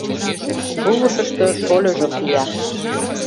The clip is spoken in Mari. Шувышышто шольыжо кия.